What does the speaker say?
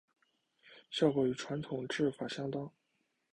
效果与传统制法相当。